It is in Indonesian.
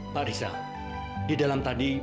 pak risa di dalam tadi